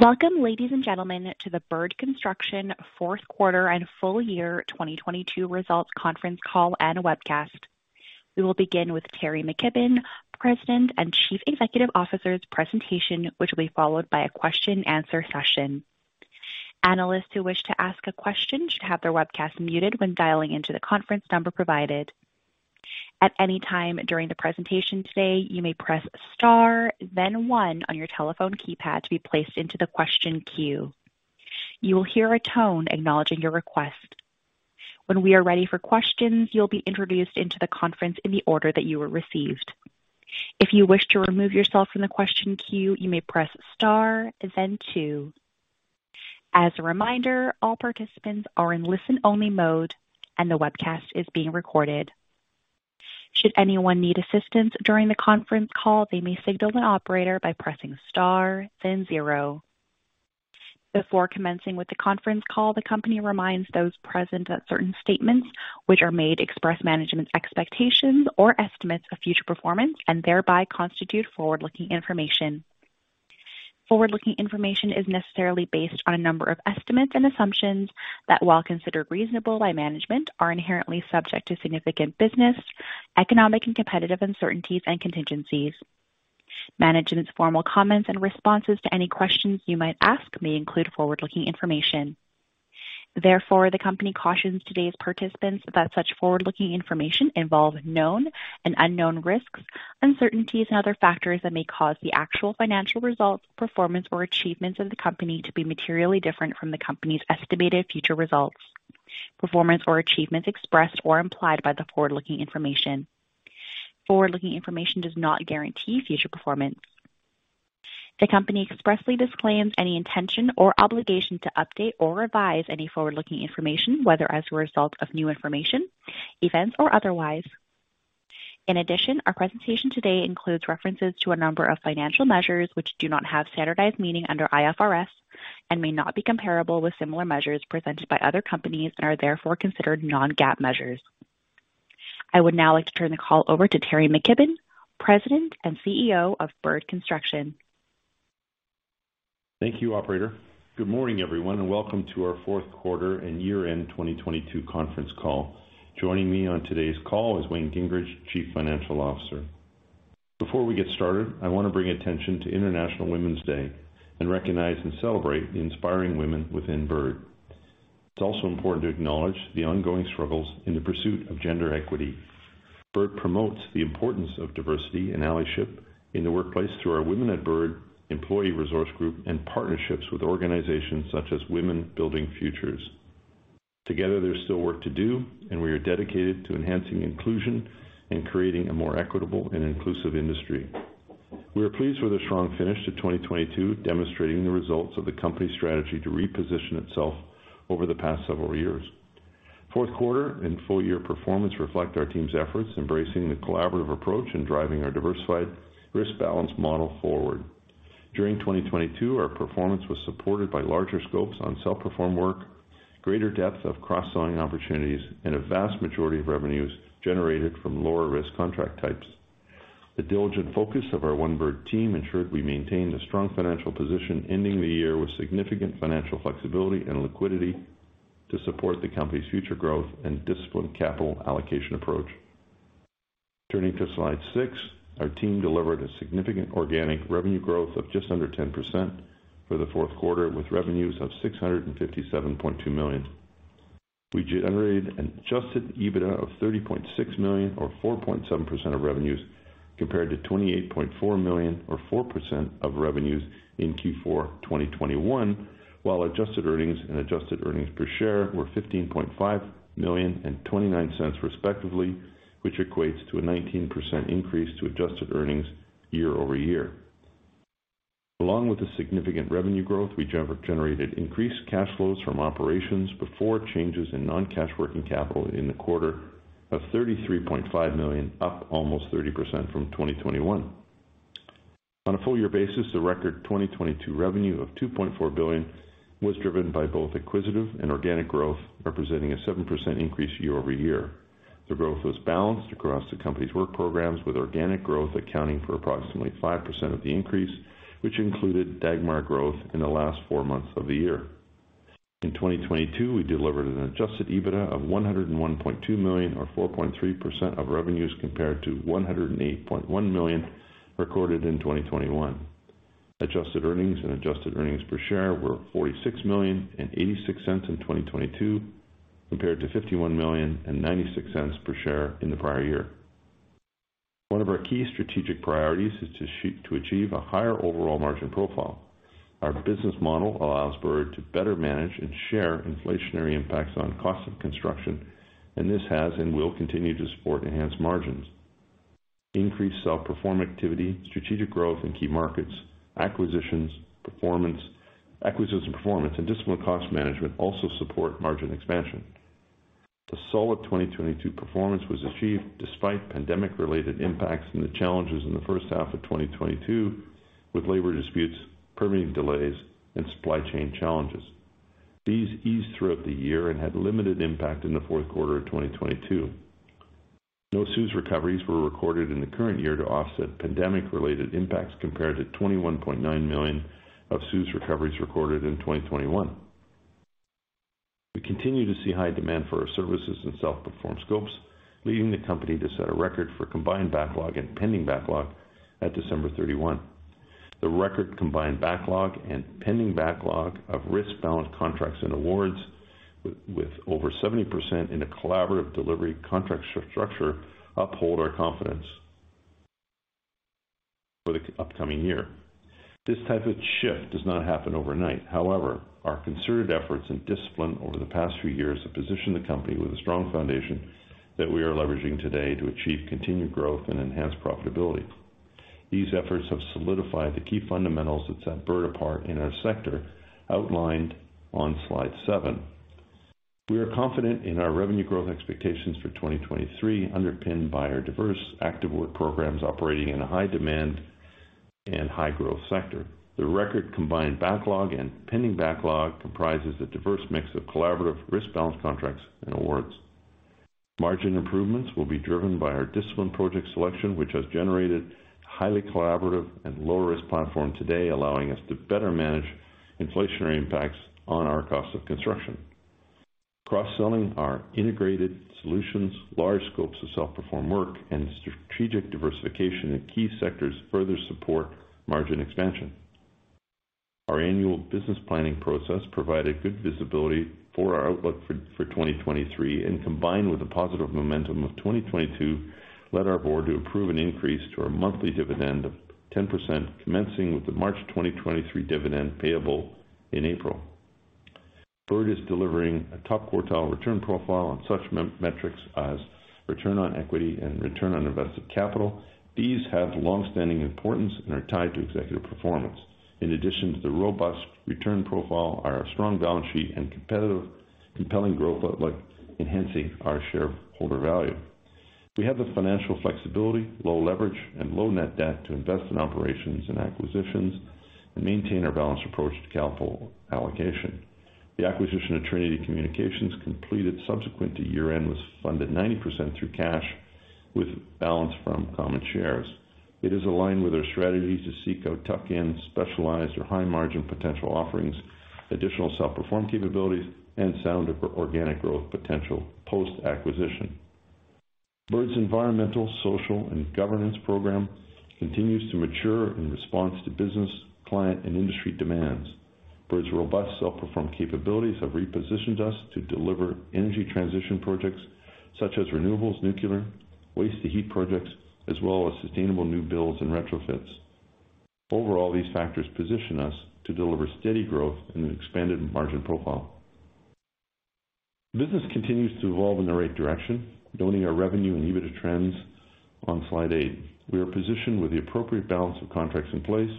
Welcome, ladies and gentlemen, to the Bird Construction fourth quarter and full year 2022 results conference call and webcast. We will begin with Teri McKibbon, President and Chief Executive Officer's presentation, which will be followed by a question and answer session. Analysts who wish to ask a question should have their webcast muted when dialing into the conference number provided. At any time during the presentation today, you may press Star then one on your telephone keypad to be placed into the question queue. You will hear a tone acknowledging your request. When we are ready for questions, you'll be introduced into the conference in the order that you were received. If you wish to remove yourself from the question queue, you may press Star then two. As a reminder, all participants are in listen-only mode and the webcast is being recorded. Should anyone need assistance during the conference call, they may signal the operator by pressing Star then zero. Before commencing with the conference call, the company reminds those present that certain statements which are made express management's expectations or estimates of future performance and thereby constitute forward-looking information. Forward-looking information is necessarily based on a number of estimates and assumptions that, while considered reasonable by management, are inherently subject to significant business, economic and competitive uncertainties and contingencies. Management's formal comments and responses to any questions you might ask may include forward-looking information. Therefore, the company cautions today's participants that such forward-looking information involve known and unknown risks, uncertainties and other factors that may cause the actual financial results, performance or achievements of the company to be materially different from the company's estimated future results, performance or achievements expressed or implied by the forward-looking information. Forward-looking information does not guarantee future performance. The company expressly disclaims any intention or obligation to update or revise any forward-looking information, whether as a result of new information, events or otherwise. Our presentation today includes references to a number of financial measures which do not have standardized meaning under IFRS and may not be comparable with similar measures presented by other companies and are therefore considered non-GAAP measures. I would now like to turn the call over to Teri McKibbon, President and CEO of Bird Construction. Thank you, operator. Good morning, everyone. Welcome to our fourth quarter and year-end 2022 conference call. Joining me on today's call is Wayne Gingrich, Chief Financial Officer. Before we get started, I wanna bring attention to International Women's Day and recognize and celebrate the inspiring women within Bird. It's also important to acknowledge the ongoing struggles in the pursuit of gender equity. Bird promotes the importance of diversity and allyship in the workplace through our Women at Bird employee resource group and partnerships with organizations such as Women Building Futures. Together, there's still work to do. We are dedicated to enhancing inclusion and creating a more equitable and inclusive industry. We are pleased with a strong finish to 2022, demonstrating the results of the company's strategy to reposition itself over the past several years. Fourth quarter and full-year performance reflect our team's efforts, embracing the collaborative approach and driving our diversified risk balance model forward. During 2022, our performance was supported by larger scopes on self-performed work, greater depth of cross-selling opportunities, and a vast majority of revenues generated from lower-risk contract types. The diligent focus of our One Bird team ensured we maintained a strong financial position, ending the year with significant financial flexibility and liquidity to support the company's future growth and disciplined capital allocation approach. Turning to slide six, our team delivered a significant organic revenue growth of just under 10% for the fourth quarter, with revenues of $657.2 million. We generated an Adjusted EBITDA of $30.6 million or 4.7% of revenues, compared to $28.4 million or 4% of revenues in Q4 2021. While Adjusted Earnings and Adjusted Earnings Per Share were 15.5 million and 0.29 respectively, which equates to a 19% increase to Adjusted Earnings year-over-year. Along with the significant revenue growth, we generated increased cash flows from operations before changes in non-cash working capital in the quarter of 33.5 million, up almost 30% from 2021. On a full year basis, the record 2022 revenue of 2.4 billion was driven by both acquisitive and organic growth, representing a 7% increase year-over-year. The growth was balanced across the company's work programs, with organic growth accounting for approximately 5% of the increase, which included Dagmar growth in the last four months of the year. In 2022, we delivered an Adjusted EBITDA of 101.2 million, or 4.3% of revenues, compared to 108.1 million recorded in 2021. Adjusted Earnings and Adjusted Earnings Per Share were 46 million and 0.86 in 2022, compared to 51 million and 0.96 per share in the prior year. One of our key strategic priorities is to achieve a higher overall margin profile. Our business model allows Bird to better manage and share inflationary impacts on cost of construction, and this has and will continue to support enhanced margins. Increased self-perform activity, strategic growth in key markets, acquisitions performance and disciplined cost management also support margin expansion. The solid 2022 performance was achieved despite pandemic-related impacts and the challenges in the first half of 2022 with labor disputes, permitting delays and supply chain challenges. These eased throughout the year and had limited impact in the fourth quarter of 2022. No CEWS recoveries were recorded in the current year to offset pandemic-related impacts compared to 21.9 million of CEWS recoveries recorded in 2021. We continue to see high demand for our services and self-perform scopes, leading the company to set a record for combined backlog and pending backlog at December 31. The record combined backlog and pending backlog of risk balanced contracts and awards with over 70% in a collaborative delivery contract structure uphold our confidence for the upcoming year. This type of shift does not happen overnight. Our concerted efforts and discipline over the past few years have positioned the company with a strong foundation that we are leveraging today to achieve continued growth and enhance profitability. These efforts have solidified the key fundamentals that set Bird apart in our sector, outlined on slide 7. We are confident in our revenue growth expectations for 2023, underpinned by our diverse active work programs operating in a high demand and high growth sector. The record combined backlog and pending backlog comprises a diverse mix of collaborative risk-balanced contracts and awards. Margin improvements will be driven by our disciplined project selection, which has generated highly collaborative and low risk platform today, allowing us to better manage inflationary impacts on our cost of construction. Cross-selling our integrated solutions, large scopes of self-perform work, and strategic diversification in key sectors further support margin expansion. Our annual business planning process provided good visibility for our outlook for 2023 and combined with the positive momentum of 2022 led our board to approve an increase to our monthly dividend of 10% commencing with the March 2023 dividend payable in April. Bird is delivering a top quartile return profile on such metrics as return on equity and return on invested capital. These have long-standing importance and are tied to executive performance. In addition to the robust return profile are our strong balance sheet and competitive compelling growth outlook enhancing our shareholder value. We have the financial flexibility, low leverage, and low net debt to invest in operations and acquisitions and maintain our balanced approach to capital allocation. The acquisition of Trinity Communications completed subsequent to year-end was funded 90% through cash with balance from common shares. It is aligned with our strategies to seek out tuck-in, specialized or high-margin potential offerings, additional self-perform capabilities, and sound organic growth potential post-acquisition. Bird's environmental, social, and governance program continues to mature in response to business, client, and industry demands. Bird's robust self-perform capabilities have repositioned us to deliver energy transition projects such as renewables, nuclear, waste-to-heat projects, as well as sustainable new builds and retrofits. Overall, these factors position us to deliver steady growth and an expanded margin profile. Business continues to evolve in the right direction, building our revenue and EBITDA trends on Slide 8. We are positioned with the appropriate balance of contracts in place,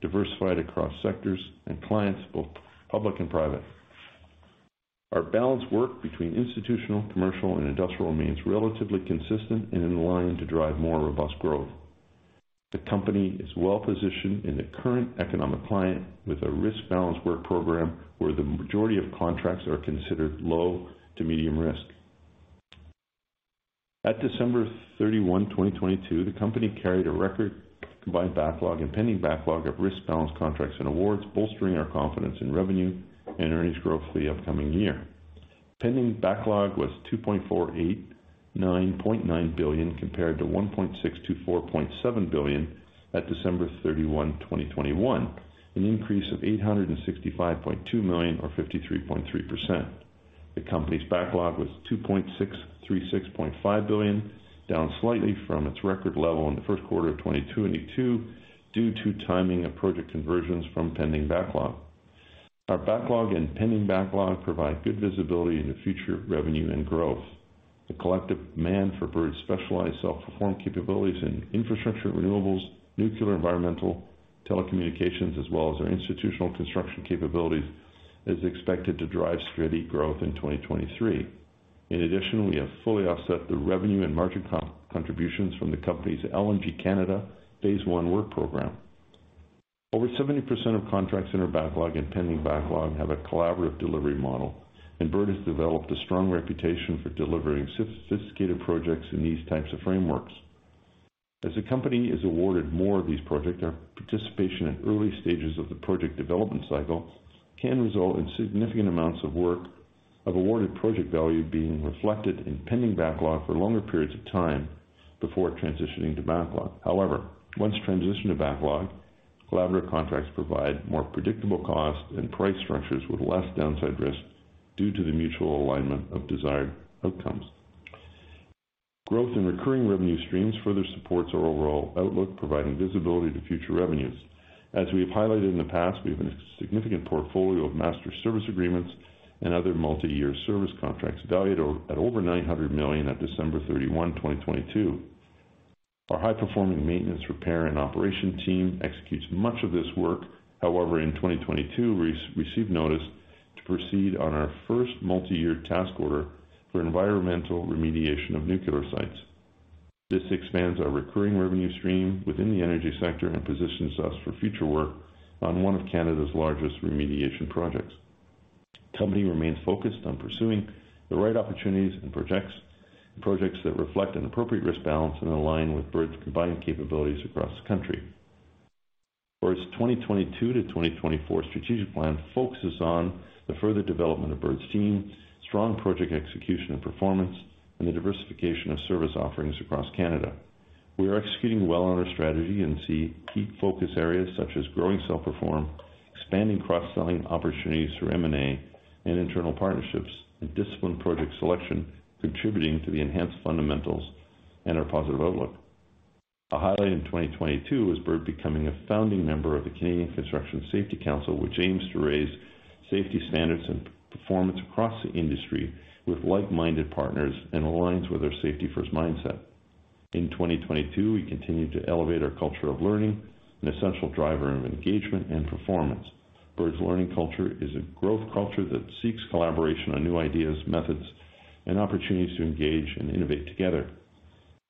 diversified across sectors and clients, both public and private. Our balanced work between institutional, commercial, and industrial remains relatively consistent and in line to drive more robust growth. The company is well-positioned in the current economic climate with a risk-balanced work program where the majority of contracts are considered low to medium risk. At December 31, 2022, the company carried a record combined backlog and pending backlog of risk-balanced contracts and awards, bolstering our confidence in revenue and earnings growth for the upcoming year. Pending backlog was 2.4899 billion compared to 1.6247 billion at December 31, 2021, an increase of 865.2 million or 53.3%. The company's backlog was 2.6365 billion, down slightly from its record level in the first quarter of 2022 due to timing of project conversions from pending backlog. Our backlog and pending backlog provide good visibility into future revenue and growth. The collective demand for Bird's specialized self-perform capabilities in infrastructure, renewables, nuclear, environmental, telecommunications, as well as our institutional construction capabilities, is expected to drive steady growth in 2023. In addition, we have fully offset the revenue and margin contributions from the company's LNG Canada phase one work program. Over 70% of contracts in our backlog and pending backlog have a collaborative delivery model, and Bird has developed a strong reputation for delivering sophisticated projects in these types of frameworks. As the company is awarded more of these projects, our participation at early stages of the project development cycle can result in significant amounts of work of awarded project value being reflected in pending backlog for longer periods of time before transitioning to backlog. However, once transitioned to backlog, collaborative contracts provide more predictable cost and price structures with less downside risk due to the mutual alignment of desired outcomes. Growth in recurring revenue streams further supports our overall outlook, providing visibility to future revenues. As we have highlighted in the past, we have a significant portfolio of master service agreements and other multi-year service contracts valued at over 900 million at December 31, 2022. Our high-performing maintenance, repair, and operation team executes much of this work. However, in 2022, re-received notice to proceed on our first multi-year task order for environmental remediation of nuclear sites. This expands our recurring revenue stream within the energy sector and positions us for future work on one of Canada's largest remediation projects. The company remains focused on pursuing the right opportunities and projects that reflect an appropriate risk balance and align with Bird's combined capabilities across the country. Bird's 2022-2024 strategic plan focuses on the further development of Bird's team, strong project execution and performance, and the diversification of service offerings across Canada. We are executing well on our strategy and see key focus areas such as growing self-perform, expanding cross-selling opportunities through M&A and internal partnerships, and disciplined project selection contributing to the enhanced fundamentals and our positive outlook. A highlight in 2022 was Bird becoming a founding member of the Canadian Construction Safety Council, which aims to raise safety standards and performance across the industry with like-minded partners and aligns with our safety-first mindset. In 2022, we continued to elevate our culture of learning, an essential driver of engagement and performance. Bird's learning culture is a growth culture that seeks collaboration on new ideas, methods, and opportunities to engage and innovate together.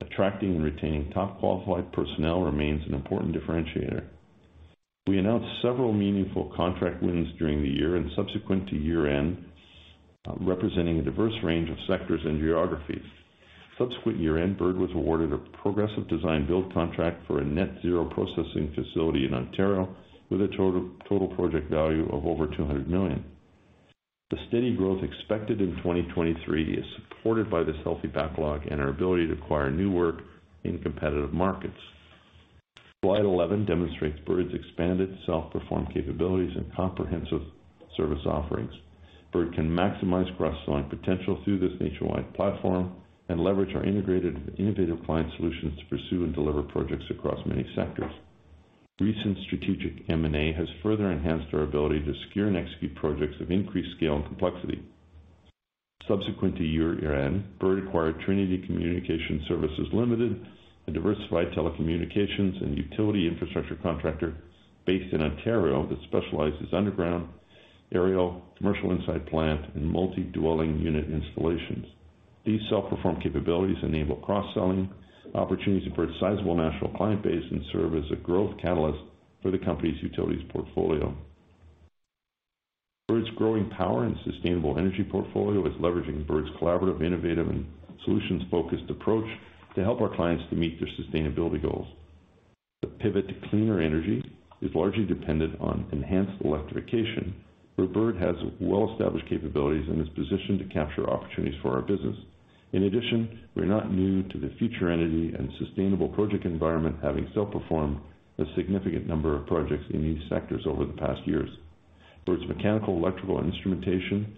Attracting and retaining top qualified personnel remains an important differentiator. We announced several meaningful contract wins during the year and subsequent to year-end, representing a diverse range of sectors and geographies. Subsequent year-end, Bird was awarded a Progressive Design-Build contract for a net-zero processing facility in Ontario with a total project value of over $200 million. The steady growth expected in 2023 is supported by this healthy backlog and our ability to acquire new work in competitive markets. Slide 11 demonstrates Bird's expanded self-perform capabilities and comprehensive service offerings. Bird can maximize cross-selling potential through this nationwide platform and leverage our integrated and innovative client solutions to pursue and deliver projects across many sectors. Recent strategic M&A has further enhanced our ability to secure and execute projects of increased scale and complexity. Subsequent to year-end, Bird acquired Trinity Communication Services Limited, a diversified telecommunications and utility infrastructure contractor based in Ontario that specializes underground, aerial, commercial inside plant, and multi-dwelling unit installations. These self-perform capabilities enable cross-selling opportunities for Bird's sizable national client base and serve as a growth catalyst for the company's utilities portfolio. Bird's growing power and sustainable energy portfolio is leveraging Bird's collaborative, innovative, and solutions-focused approach to help our clients to meet their sustainability goals. The pivot to cleaner energy is largely dependent on enhanced electrification, where Bird has well-established capabilities and is positioned to capture opportunities for our business. In addition, we're not new to the future energy and sustainable project environment, having self-performed a significant number of projects in these sectors over the past years. Bird's mechanical, electrical, and instrumentation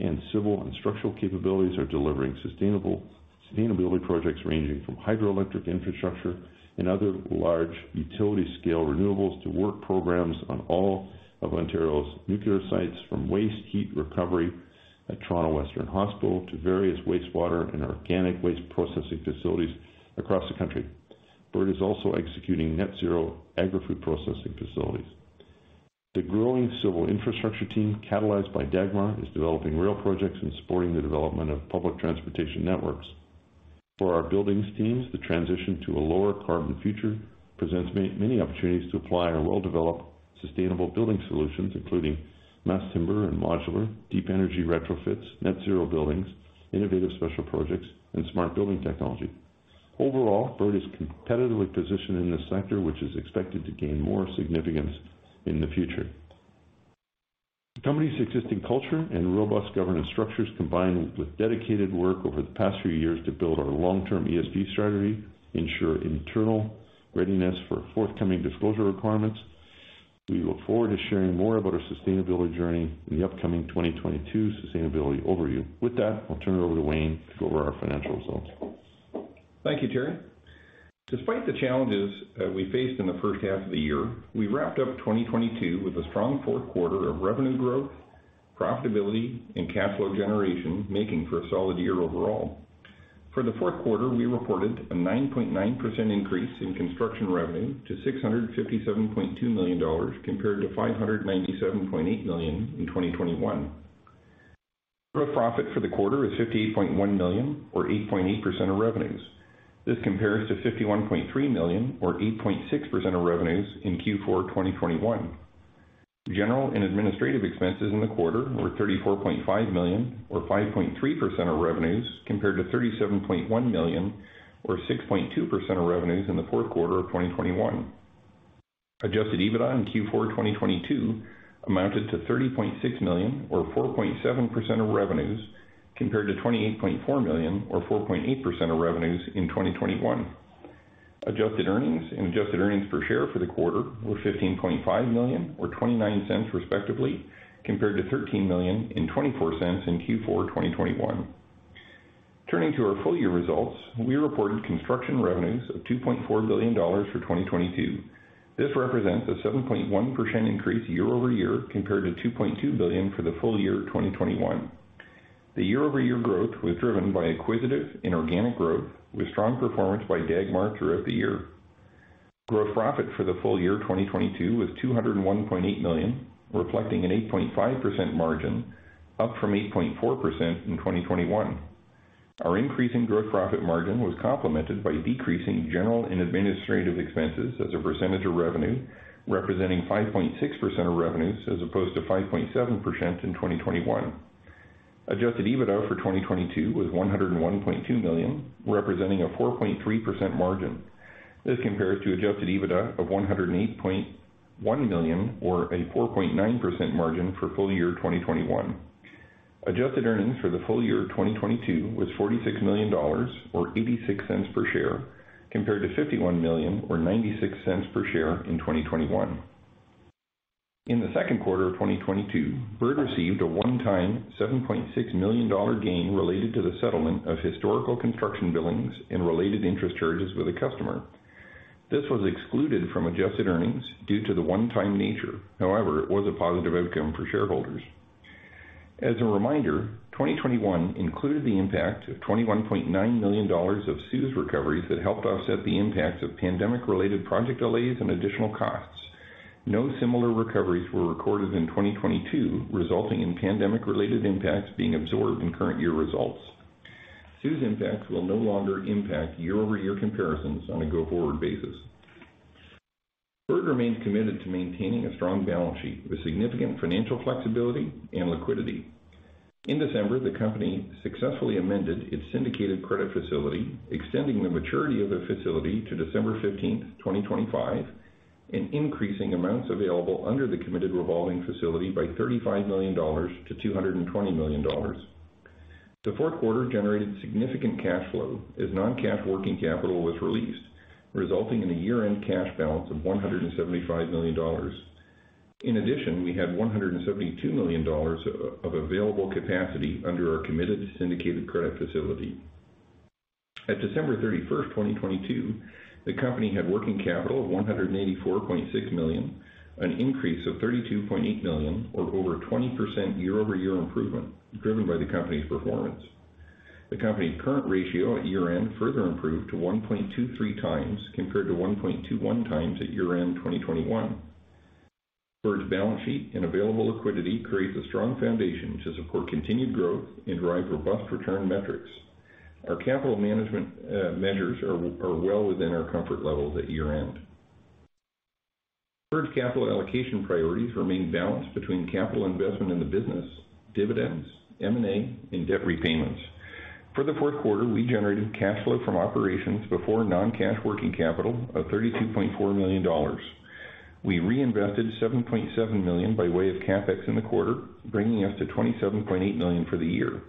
and civil and structural capabilities are delivering sustainability projects ranging from hydroelectric infrastructure and other large utility scale renewables to work programs on all of Ontario's nuclear sites. From waste heat recovery at Toronto Western Hospital to various wastewater and organic waste processing facilities across the country. Bird is also executing net-zero agri-food processing facilities. The growing civil infrastructure team, catalyzed by Dagmar, is developing rail projects and supporting the development of public transportation networks. For our buildings teams, the transition to a lower carbon future presents many opportunities to apply our well-developed sustainable building solutions including mass timber and modular, deep energy retrofits, net-zero buildings, innovative special projects, and smart building technology. Overall, Bird is competitively positioned in this sector, which is expected to gain more significance in the future. The company's existing culture and robust governance structures, combined with dedicated work over the past few years to build our long-term ESG strategy, ensure internal readiness for forthcoming disclosure requirements. We look forward to sharing more about our sustainability journey in the upcoming 2022 sustainability overview. With that, I'll turn it over to Wayne to go over our financial results. Thank you, Teri. Despite the challenges that we faced in the first half of the year, we wrapped up 2022 with a strong fourth quarter of revenue growth, profitability, and cash flow generation, making for a solid year overall. For the fourth quarter, we reported a 9.9% increase in construction revenue to 657.2 million dollars compared to 597.8 million in 2021. Gross profit for the quarter is 58.1 million or 8.8% of revenues. This compares to 51.3 million or 8.6% of revenues in Q4 2021. General and administrative expenses in the quarter were 34.5 million or 5.3% of revenues, compared to 37.1 million or 6.2% of revenues in the fourth quarter of 2021. Adjusted EBITDA in Q4 2022 amounted to 30.6 million or 4.7% of revenues, compared to 28.4 million or 4.8% of revenues in 2021. Adjusted earnings and Adjusted Earnings Per Share for the quarter were 15.5 million or 0.29 respectively, compared to 13 million and 0.24 in Q4 2021. Turning to our full year results, we reported construction revenues of 2.4 billion dollars for 2022. This represents a 7.1% increase year-over-year compared to 2.2 billion for the full year 2021. The year-over-year growth was driven by acquisitive and organic growth with strong performance by Dagmar throughout the year. Gross profit for the full year 2022 was 201.8 million, reflecting an 8.5% margin, up from 8.4% in 2021. Our increasing gross profit margin was complemented by decreasing general and administrative expenses as a percentage of revenue, representing 5.6% of revenues as opposed to 5.7% in 2021. Adjusted EBITDA for 2022 was 101.2 million, representing a 4.3% margin. This compares to Adjusted EBITDA of 108.1 million or a 4.9% margin for full year 2021. Adjusted Earnings for the full year 2022 was 46 million dollars or 0.86 per share, compared to 51 million or 0.96 per share in 2021. In the second quarter of 2022, Bird received a one-time CAD 7.6 million gain related to the settlement of historical construction billings and related interest charges with a customer. This was excluded from adjusted earnings due to the one-time nature. However, it was a positive outcome for shareholders. As a reminder, 2021 included the impact of CAD 21.9 million of CEWS recoveries that helped offset the impacts of pandemic-related project delays and additional costs. No similar recoveries were recorded in 2022, resulting in pandemic-related impacts being absorbed in current year results. CEWS impacts will no longer impact year-over-year comparisons on a go-forward basis. Bird remains committed to maintaining a strong balance sheet with significant financial flexibility and liquidity. In December, the company successfully amended its syndicated credit facility, extending the maturity of the facility to December 15th, 2025, and increasing amounts available under the committed revolving facility by 35 million-220 million dollars. The fourth quarter generated significant cash flow as non-cash working capital was released, resulting in a year-end cash balance of 175 million dollars. In addition, we had 172 million dollars of available capacity under our committed syndicated credit facility. At December 31st, 2022, the company had working capital of 184.6 million, an increase of 32.8 million or over 20% year-over-year improvement driven by the company's performance. The company's current ratio at year-end further improved to 1.23x compared to 1.21x at year-end 2021. Bird's balance sheet and available liquidity creates a strong foundation to support continued growth and drive robust return metrics. Our capital management measures are well within our comfort levels at year-end. Bird's capital allocation priorities remain balanced between capital investment in the business, dividends, M&A, and debt repayments. For the fourth quarter, we generated cash flow from operations before non-cash working capital of 32.4 million dollars. We reinvested 7.7 million by way of CapEx in the quarter, bringing us to 27.8 million for the year.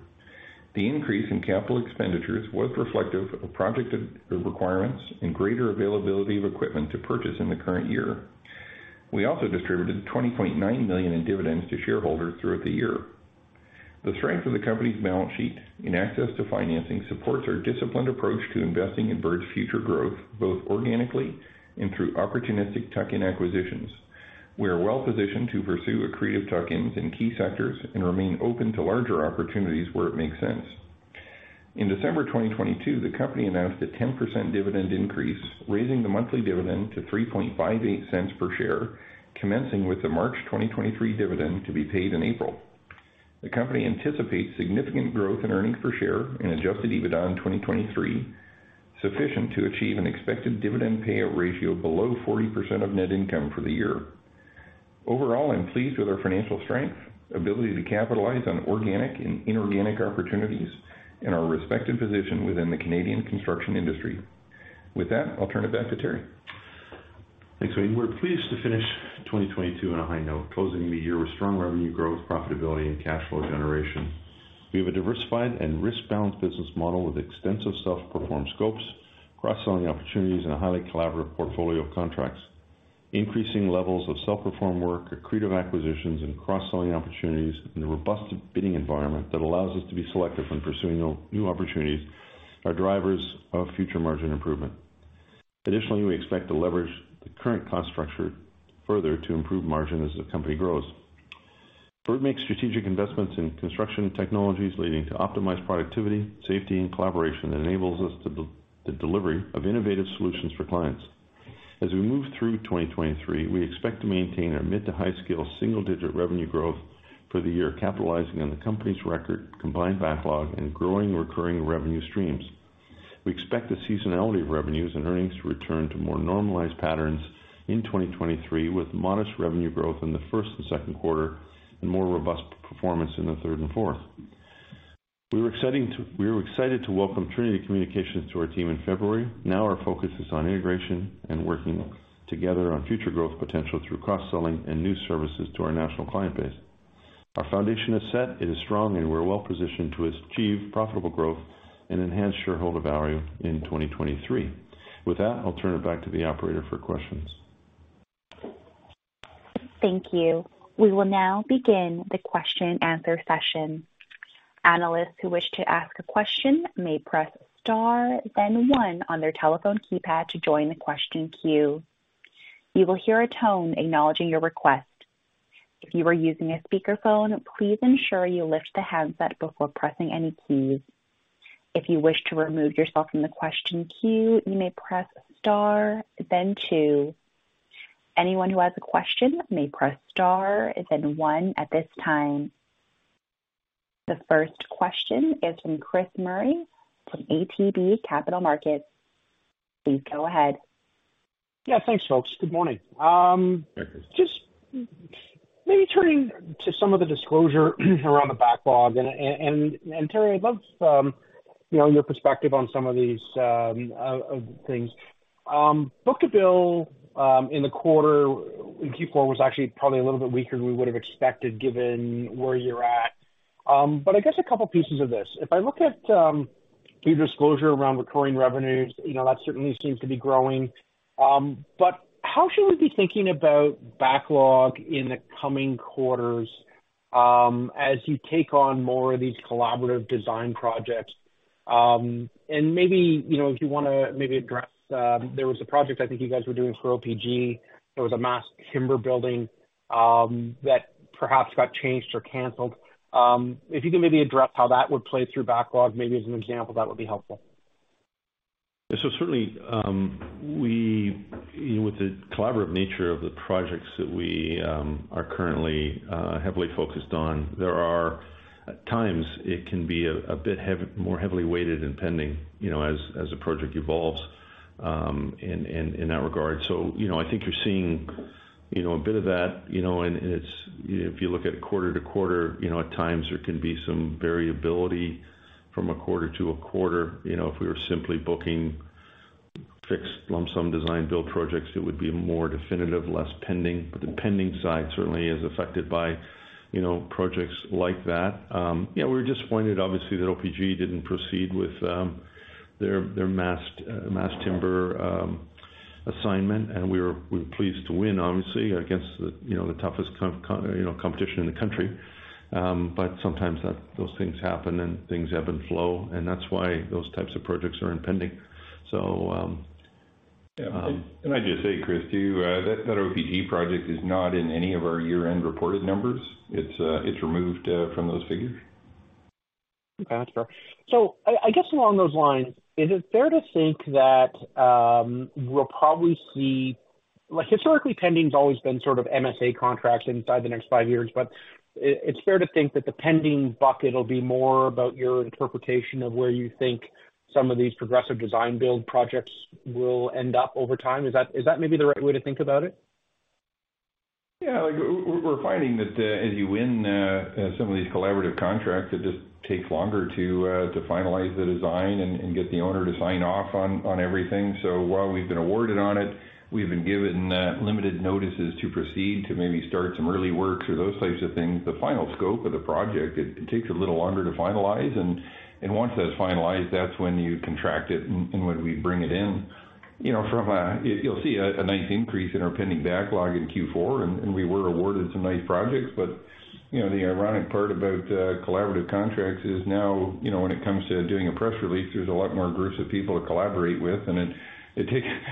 The increase in capital expenditures was reflective of project requirements and greater availability of equipment to purchase in the current year. We also distributed 20.9 million in dividends to shareholders throughout the year. The strength of the company's balance sheet and access to financing supports our disciplined approach to investing in Bird's future growth, both organically and through opportunistic tuck-in acquisitions. We are well-positioned to pursue accretive tuck-ins in key sectors and remain open to larger opportunities where it makes sense. In December 2022, the company announced a 10% dividend increase, raising the monthly dividend to 0.0358 per share, commencing with the March 2023 dividend to be paid in April. The company anticipates significant growth in earnings per share and Adjusted EBITDA in 2023, sufficient to achieve an expected dividend payout ratio below 40% of net income for the year. Overall, I'm pleased with our financial strength, ability to capitalize on organic and inorganic opportunities, and our respected position within the Canadian construction industry. With that, I'll turn it back to Teri. Thanks, Wayne. We're pleased to finish 2022 on a high note, closing the year with strong revenue growth, profitability, and cash flow generation. We have a diversified and risk-balanced business model with extensive self-performed scopes, cross-selling opportunities, and a highly collaborative portfolio of contracts. Increasing levels of self-performed work, accretive acquisitions, and cross-selling opportunities in the robust bidding environment that allows us to be selective when pursuing no-new opportunities are drivers of future margin improvement. Additionally, we expect to leverage the current cost structure further to improve margin as the company grows. Bird makes strategic investments in construction technologies leading to optimized productivity, safety, and collaboration that enables us to delivery of innovative solutions for clients. As we move through 2023, we expect to maintain our mid to high single-digit revenue growth for the year, capitalizing on the company's record, combined backlog, and growing recurring revenue streams. We expect the seasonality of revenues and earnings to return to more normalized patterns in 2023, with modest revenue growth in the first and second quarter and more robust performance in the third and fourth. We were excited to welcome Trinity Communications to our team in February. Our focus is on integration and working together on future growth potential through cross-selling and new services to our national client base. Our foundation is set, it is strong, and we're well-positioned to achieve profitable growth and enhance shareholder value in 2023. With that, I'll turn it back to the operator for questions. Thank you. We will now begin the question and answer session. Analysts who wish to ask a question may press star then one on their telephone keypad to join the question queue. You will hear a tone acknowledging your request. If you are using a speakerphone, please ensure you lift the handset before pressing any keys. If you wish to remove yourself from the question queue, you may press star then two. Anyone who has a question may press star and then 1 at this time. The first question is from Chris Murray from ATB Capital Markets. Please go ahead. Yeah, thanks, folks. Good morning. Hi, Chris. Just maybe turning to some of the disclosure around the backlog. Teri, I'd love, you know, your perspective on some of these things. book-to-bill in the quarter in Q4 was actually probably a little bit weaker than we would have expected given where you're at. I guess a couple pieces of this. If I look at your disclosure around recurring revenues, you know, that certainly seems to be growing. How should we be thinking about backlog in the coming quarters as you take on more of these collaborative design projects? Maybe, you know, if you wanna maybe address, there was a project I think you guys were doing for OPG. There was a mass timber building that perhaps got changed or canceled. If you can maybe address how that would play through backlog, maybe as an example, that would be helpful. Certainly, with the collaborative nature of the projects that we are currently heavily focused on, there are times it can be a bit more heavily weighted in pending, you know, as a project evolves in that regard. You know, I think you're seeing, you know, a bit of that, and it's if you look at quarter to quarter, you know, at times there can be some variability from a quarter to a quarter. You know, if we were simply booking fixed lump sum design build projects, it would be more definitive, less pending. The pending side certainly is affected by, you know, projects like that. Yeah, we were disappointed, obviously, that OPG didn't proceed with their massed mass timber assignment. We were pleased to win, obviously, against the toughest competition in the country. Sometimes that, those things happen and things ebb and flow, and that's why those types of projects are in pending. Yeah. Can I just say, Chris, too, that OPG project is not in any of our year-end reported numbers. It's removed from those figures. That's fair. I guess along those lines, is it fair to think that we'll probably see. Like historically, pending's always been sort of MSA contracts inside the next five years. It's fair to think that the pending bucket will be more about your interpretation of where you think some of these Progressive Design-Build projects will end up over time. Is that maybe the right way to think about it? Yeah. Like, we're finding that, as you win, some of these collaborative contracts, it just takes longer to finalize the design and get the owner to sign off on everything. While we've been awarded on it, we've been given, limited notices to proceed to maybe start some early works or those types of things. The final scope of the project, it takes a little longer to finalize. Once that's finalized, that's when you contract it and when we bring it in. You know, you'll see a nice increase in our pending backlog in Q4. We were awarded some nice projects. You know, the ironic part about collaborative contracts is now, you know, when it comes to doing a press release, there's a lot more groups of people to collaborate with, and it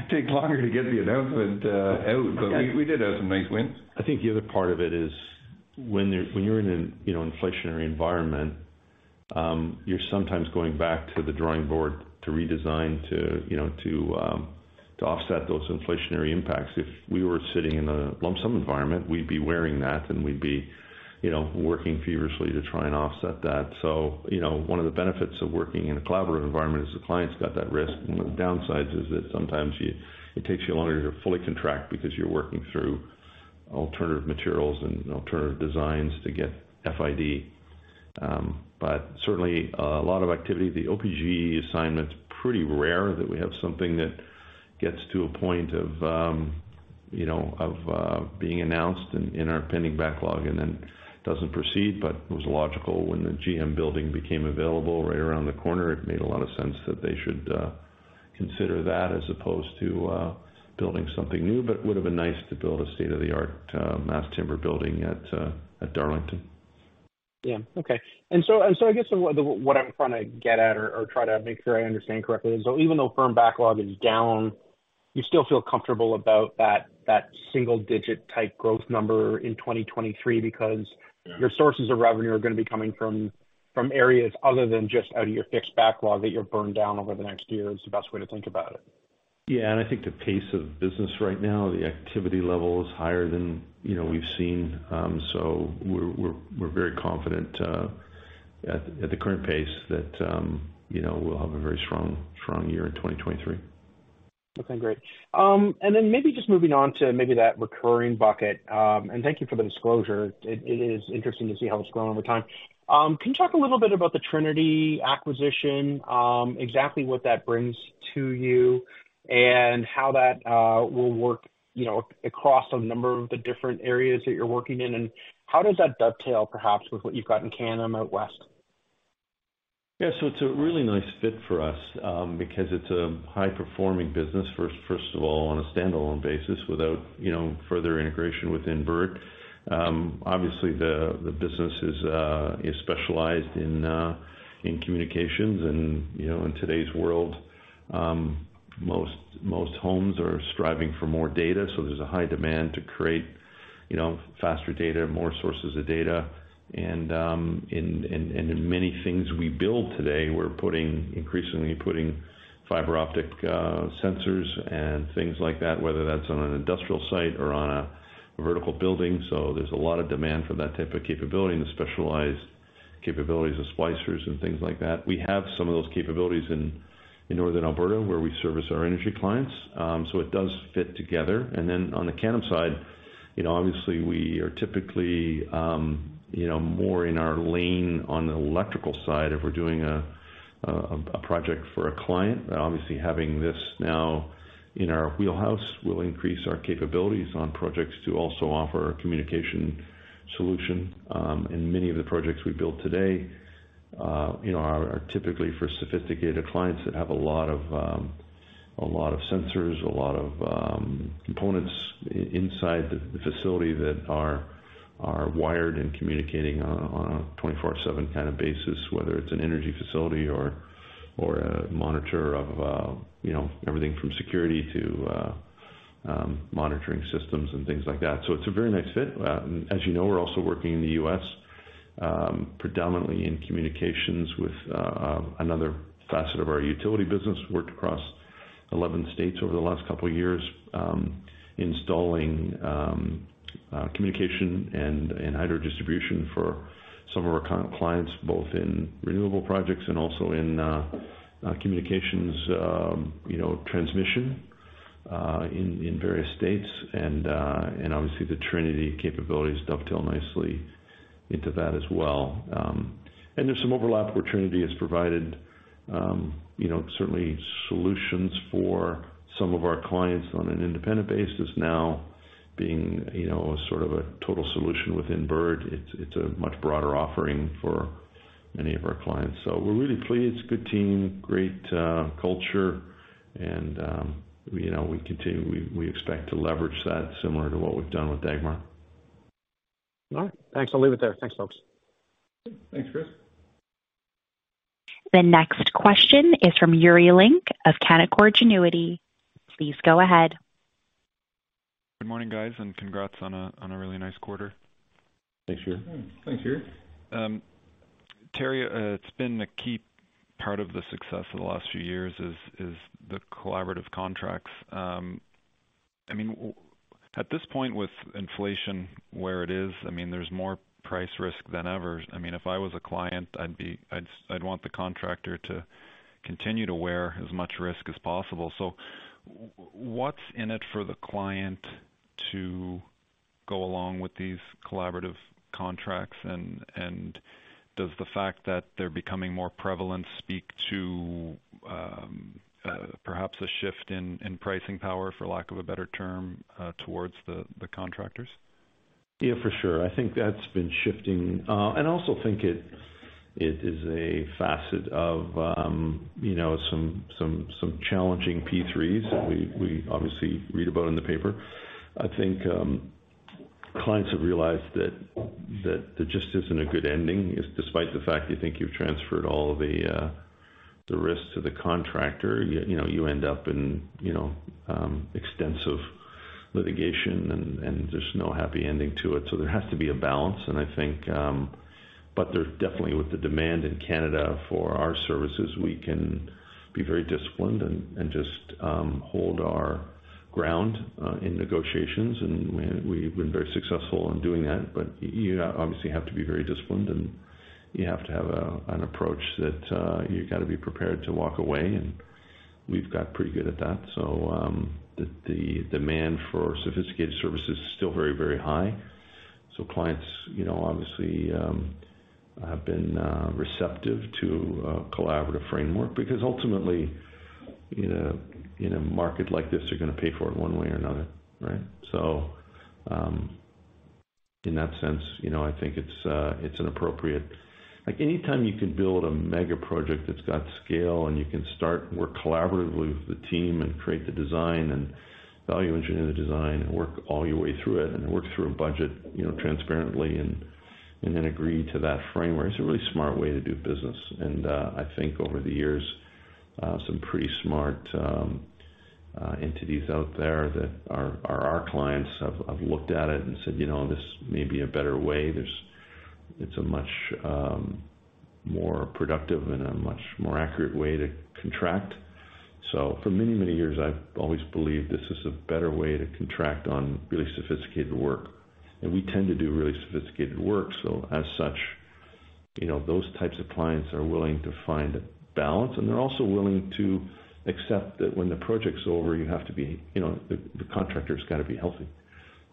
takes longer to get the announcement out. We did have some nice wins. I think the other part of it is when you're in an, you know, inflationary environment, you're sometimes going back to the drawing board to redesign to, you know, offset those inflationary impacts. If we were sitting in a lump sum environment, we'd be wearing that, and we'd be, you know, working feverishly to try and offset that. You know, one of the benefits of working in a collaborative environment is the client's got that risk. One of the downsides is that sometimes it takes you longer to fully contract because you're working through alternative materials and alternative designs to get FID. Certainly a lot of activity. The OPG assignment's pretty rare that we have something that gets to a point of, you know, of being announced in our pending backlog and then doesn't proceed. It was logical when the GM building became available right around the corner, it made a lot of sense that they should consider that as opposed to building something new. It would've been nice to build a state-of-the-art mass timber building at Darlington. Yeah. Okay. I guess what I'm trying to get at or try to make sure I understand correctly is even though firm backlog is down, you still feel comfortable about that single digit type growth number in 2023 because- Yeah ... Your sources of revenue are gonna be coming from areas other than just out of your fixed backlog that you'll burn down over the next year, is the best way to think about it. Yeah. I think the pace of business right now, the activity level is higher than, you know, we've seen. We're very confident, at the current pace that, you know, we'll have a very strong year in 2023. Okay, great. Then maybe just moving on to maybe that recurring bucket. Can you talk a little bit about the Trinity acquisition, exactly what that brings to you and how that will work, you know, across a number of the different areas that you're working in? How does that dovetail perhaps with what you've got in Canada and out West? Yeah. It's a really nice fit for us, because it's a high performing business first of all on a standalone basis without, you know, further integration within Bird. Obviously the business is specialized in communications and, you know, in today's world, most homes are striving for more data, so there's a high demand to create, you know, faster data, more sources of data. In many things we build today, we're putting, increasingly putting fiber optic sensors and things like that, whether that's on an industrial site or on a vertical building. There's a lot of demand for that type of capability and the specialized capabilities of splicers and things like that. We have some of those capabilities in Northern Alberta, where we service our energy clients. It does fit together. Then on the Canem side, you know, obviously we are typically, you know, more in our lane on the electrical side if we're doing a project for a client. Obviously, having this now in our wheelhouse will increase our capabilities on projects to also offer a communication solution. Many of the projects we build today, you know, are typically for sophisticated clients that have a lot of sensors, a lot of components inside the facility that are wired and communicating on a 24/7 kind of basis, whether it's an energy facility or a monitor of, you know, everything from security to monitoring systems and things like that. It's a very nice fit. As you know, we're also working in the U.S., predominantly in communications with another facet of our utility business. Worked across 11 states over the last couple of years, installing communication and hydro distribution for some of our clients, both in renewable projects and also in communications, you know, transmission, in various states. Obviously, the Trinity capabilities dovetail nicely into that as well. There's some overlap where Trinity has provided, you know, certainly solutions for some of our clients on an independent basis now being, you know, sort of a total solution within Bird. It's a much broader offering for many of our clients. We're really pleased. Good team, great culture, and, you know, we continue... We expect to leverage that similar to what we've done with Dagmar. All right. Thanks. I'll leave it there. Thanks, folks. Thanks, Chris. The next question is from Yuri Lynk of Canaccord Genuity. Please go ahead. Good morning, guys, and congrats on a really nice quarter. Thanks, Yuri. Teri, it's been a key part of the success of the last few years is the collaborative contracts. I mean, at this point with inflation where it is, I mean, there's more price risk than ever. I mean, if I was a client, I'd want the contractor to continue to wear as much risk as possible. What's in it for the client to go along with these collaborative contracts, and does the fact that they're becoming more prevalent speak to perhaps a shift in pricing power, for lack of a better term, towards the contractors? Yeah, for sure. I think that's been shifting. I also think it is a facet of, you know, some challenging P3s that we obviously read about in the paper. I think clients have realized that there just isn't a good ending, is despite the fact you think you've transferred all of the risks to the contractor, you know, you end up in, you know, extensive litigation, and there's no happy ending to it. There has to be a balance, and I think, but there's definitely with the demand in Canada for our services, we can be very disciplined and just hold our ground in negotiations, and we've been very successful in doing that. You obviously have to be very disciplined, and you have to have an approach that you've got to be prepared to walk away, and we've got pretty good at that. The demand for sophisticated services is still very, very high. Clients, you know, obviously, have been receptive to a collaborative framework because ultimately in a, in a market like this, you're gonna pay for it one way or another, right? In that sense, you know, I think it's inappropriate. Like, anytime you can build a mega project that's got scale and you can start work collaboratively with the team and create the design and value engineer the design and work all your way through it and work through a budget, you know, transparently and then agree to that framework, it's a really smart way to do business. I think over the years, some pretty smart entities out there that are our clients have looked at it and said, "You know, this may be a better way. It's a much more productive and a much more accurate way to contract." For many, many years, I've always believed this is a better way to contract on really sophisticated work. We tend to do really sophisticated work. As such, you know, those types of clients are willing to find a balance, and they're also willing to accept that when the project's over, you have to be, you know, the contractor's gotta be healthy.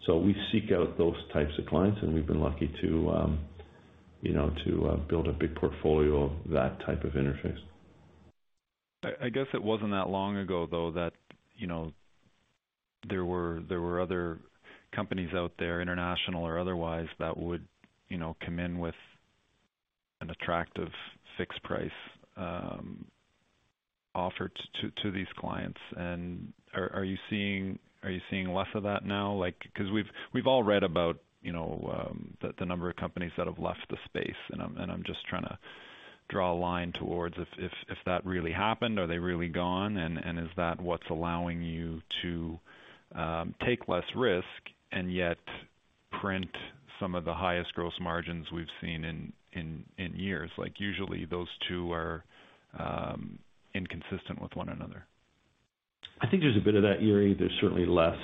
We seek out those types of clients, and we've been lucky to, you know, to build a big portfolio of that type of interface. I guess it wasn't that long ago, though, that, you know, there were other companies out there, international or otherwise, that would, you know, come in with an attractive fixed price offer to these clients. Are you seeing less of that now? Like, 'cause we've all read about, you know, the number of companies that have left the space. I'm just trying to draw a line towards if that really happened, are they really gone, and is that what's allowing you to take less risk and yet print some of the highest gross margins we've seen in years? Like, usually those two are inconsistent with one another. I think there's a bit of that, Yuri. There's certainly less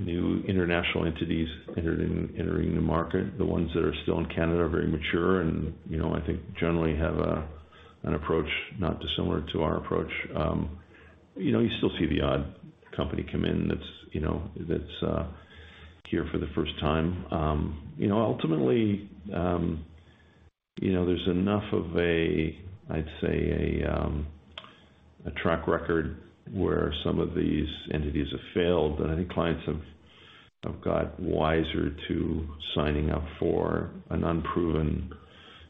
new international entities entering the market. The ones that are still in Canada are very mature and, you know, I think generally have an approach not dissimilar to our approach. You know, you still see the odd company come in that's, you know, that's here for the first time. You know, ultimately, you know, there's enough of a, I'd say, a track record where some of these entities have failed, that I think clients have got wiser to signing up for an unproven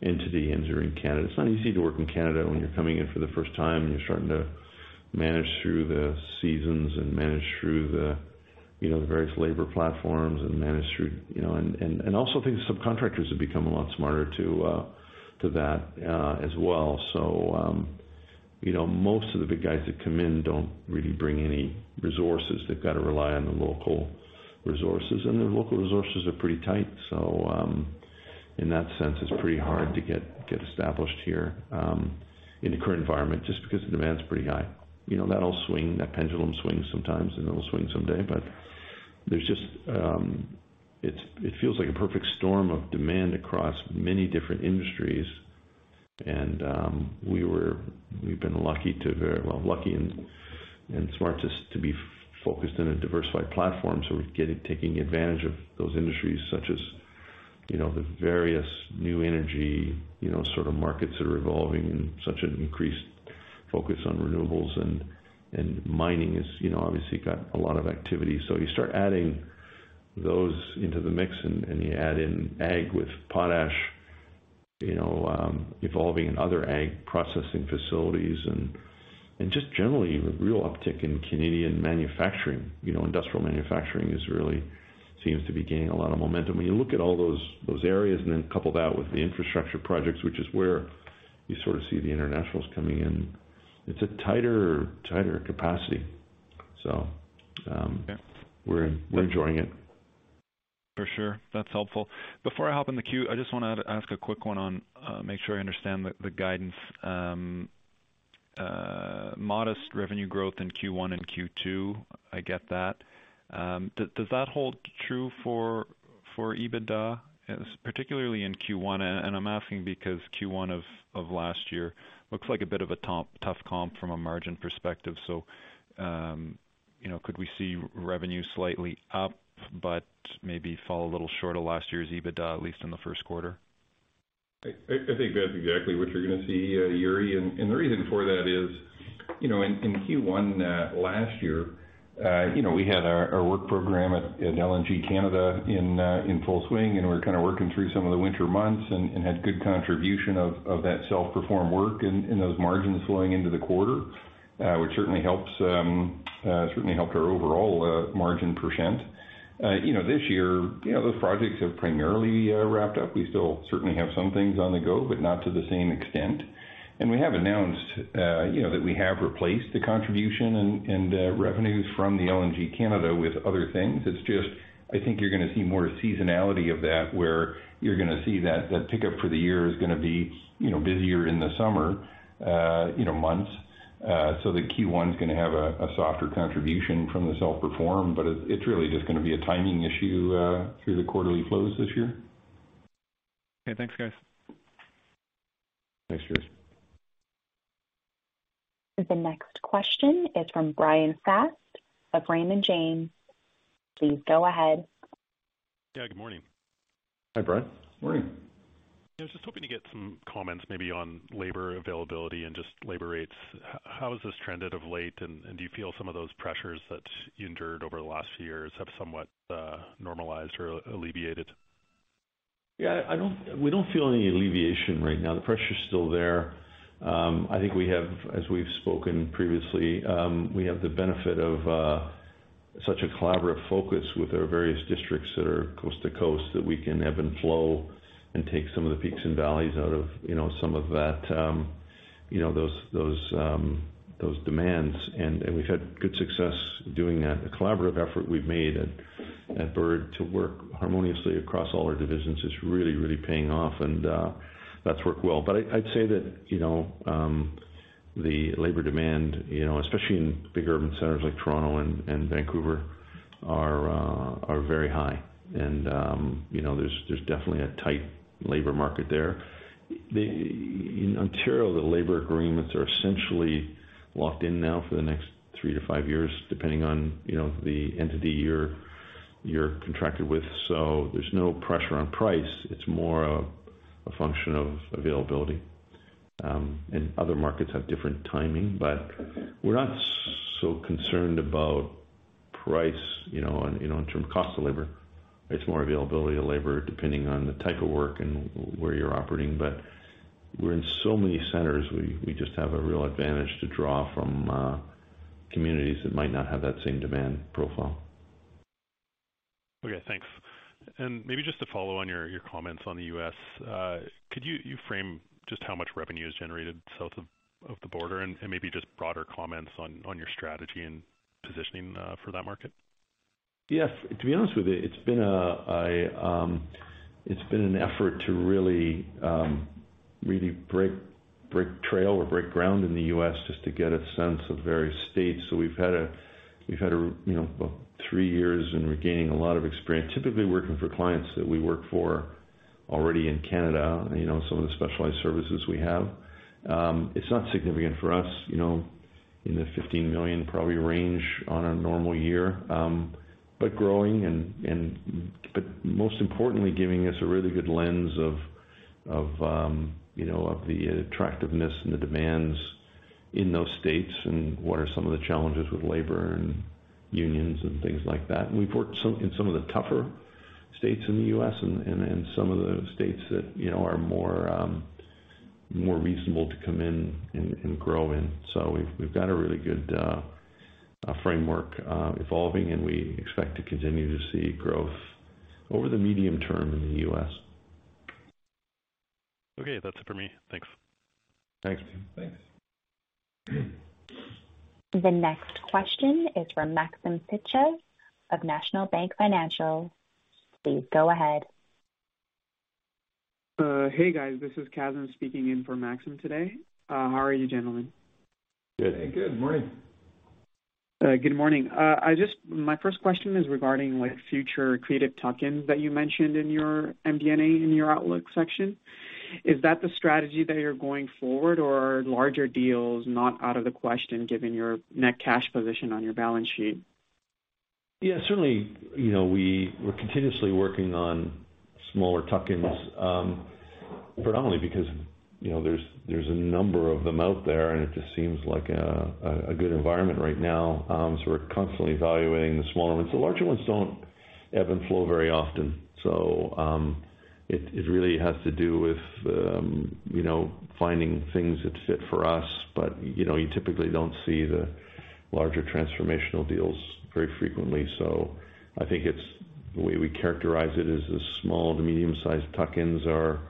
entity entering Canada. It's not easy to work in Canada when you're coming in for the first time, and you're starting to manage through the seasons and manage through the, you know, the various labor platforms and manage through, you know... Also I think the subcontractors have become a lot smarter to that as well. You know, most of the big guys that come in don't really bring any resources. They've got to rely on the local resources, and the local resources are pretty tight. In that sense, it's pretty hard to get established here in the current environment just because the demand's pretty high. You know, that'll swing. That pendulum swings sometimes, and it'll swing someday, but there's just. It feels like a perfect storm of demand across many different industries. We've been lucky. Well, lucky and smart to be focused in a diversified platform. We're taking advantage of those industries, such as, you know, the various new energy, you know, sort of markets that are evolving and such an increased focus on renewables. Mining is, you know, obviously got a lot of activity. You start adding those into the mix, and you add in ag with potash, you know, evolving and other ag processing facilities and just generally a real uptick in Canadian manufacturing. You know, industrial manufacturing really seems to be gaining a lot of momentum. When you look at all those areas and then couple that with the infrastructure projects, which is where you sort of see the internationals coming in, it's a tighter capacity. Yeah. We're enjoying it. For sure. That's helpful. Before I hop in the queue, I just wanna ask a quick one on make sure I understand the guidance. Modest revenue growth in Q1 and Q2. I get that. Does that hold true for EBITDA, particularly in Q1? And I'm asking because Q1 of last year looks like a bit of a tough comp from a margin perspective. You know, could we see revenue slightly up but maybe fall a little short of last year's EBITDA, at least in the first quarter? I think that's exactly what you're gonna see, Yuri. The reason for that is, you know, in Q1 last year, you know, we had our work program at LNG Canada in full swing. We were kinda working through some of the winter months and had good contribution of that self-perform work and those margins flowing into the quarter, which certainly helps, certainly helped our overall margin %. This year, you know, those projects have primarily wrapped up. We still certainly have some things on the go, but not to the same extent. We have announced, you know, that we have replaced the contribution and revenues from the LNG Canada with other things. It's just, I think you're gonna see more seasonality of that, where you're gonna see that the pickup for the year is gonna be, you know, busier in the summer, you know, months. The Q1's gonna have a softer contribution from the self-perform, but it's really just gonna be a timing issue, through the quarterly flows this year. Okay. Thanks, guys. Thanks, Yuri. The next question is from Bryan Fast of Raymond James. Please go ahead. Yeah, good morning. Hi, Bryan. Morning. Yeah, I was just hoping to get some comments maybe on labor availability and just labor rates. How has this trended of late, and do you feel some of those pressures that you endured over the last few years have somewhat normalized or alleviated? Yeah, we don't feel any alleviation right now. The pressure's still there. I think we have, as we've spoken previously, we have the benefit of such a collaborative focus with our various districts that are coast to coast that we can ebb and flow and take some of the peaks and valleys out of, you know, some of that, you know, those demands. We've had good success doing that. The collaborative effort we've made at Bird to work harmoniously across all our divisions is really, really paying off. That's worked well. I'd say that, you know, the labor demand, you know, especially in big urban centers like Toronto and Vancouver are very high. You know, there's definitely a tight labor market there. In Ontario, the labor agreements are essentially locked in now for the next three years- five years, depending on, you know, the entity you're contracted with. There's no pressure on price. It's more a function of availability. Other markets have different timing. We're not so concerned about price, you know, on, you know, in terms of cost of labor. It's more availability of labor depending on the type of work and where you're operating. We're in so many centers, we just have a real advantage to draw from communities that might not have that same demand profile. Okay, thanks. Maybe just to follow on your comments on the U.S., you frame just how much revenue is generated south of the border and maybe just broader comments on your strategy and positioning for that market? Yes, to be honest with you, it's been an effort to really break trail or break ground in the U.S. just to get a sense of various states. We've had, you know, about three years and we're gaining a lot of experience, typically working for clients that we work for already in Canada, you know, some of the specialized services we have. It's not significant for us, you know, in the $15 million probably range on a normal year, but growing and but most importantly, giving us a really good lens of, you know, of the attractiveness and the demands in those states and what are some of the challenges with labor and unions and things like that. We've worked in some of the tougher states in the U.S. And some of the states that, you know, are more reasonable to come in and grow in. We've got a really good framework evolving, and we expect to continue to see growth over the medium term in the U.S.. Okay. That's it for me. Thanks. Thanks. Thanks. The next question is from Maxim Sytchev of National Bank Financial. Please go ahead. Hey, guys. This is Kazim speaking in for Maxim today. How are you, gentlemen? Good. Hey, good morning. Good morning. My first question is regarding, like, future creative tuck-ins that you mentioned in your MD&A, in your outlook section. Is that the strategy that you're going forward, or are larger deals not out of the question given your net cash position on your balance sheet? Yeah, certainly, you know, we're continuously working on smaller tuck-ins, predominantly because, you know, there's a number of them out there, and it just seems like a good environment right now. We're constantly evaluating the smaller ones. The larger ones don't ebb and flow very often. It really has to do with, you know, finding things that fit for us. You know, you typically don't see the larger transformational deals very frequently. We characterize it as the small to medium sized tuck-ins are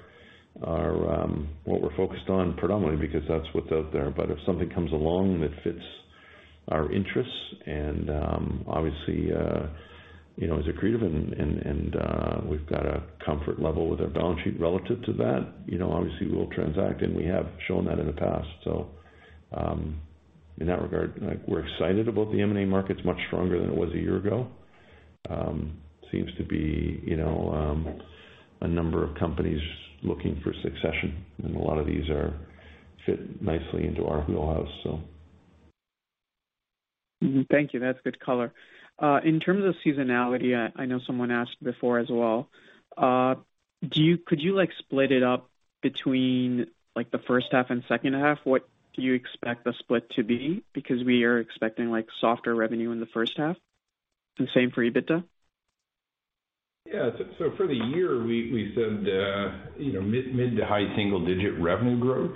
what we're focused on predominantly because that's what's out there. If something comes along that fits our interests and, obviously, you know, as accretive and, we've got a comfort level with our balance sheet relative to that, you know, obviously we'll transact, and we have shown that in the past. In that regard, like, we're excited about the M&A markets much stronger than it was a year ago. Seems to be, you know, a number of companies looking for succession, and a lot of these are fit nicely into our wheelhouse. Thank you. That's good color. In terms of seasonality, I know someone asked before as well. Could you like split it up between like the first half and second half? What do you expect the split to be? We are expecting like softer revenue in the first half, and same for EBITDA. Yeah. For the year, we said, you know, mid to high single-digit revenue growth.